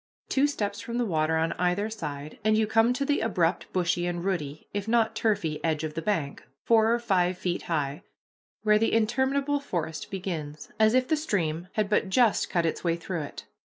Two steps from the water on either side, and you come to the abrupt, bushy, and rooty, if not turfy, edge of the bank, four or five feet high, where the interminable forest begins, as if the stream had but just cut its way through it.